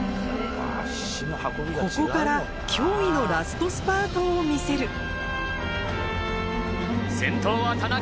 ここから驚異のラストスパートを見せる先頭は田中。